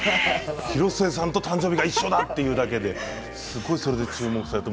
広末さんと誕生日が一緒だというだけで注目されて。